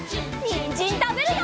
にんじんたべるよ！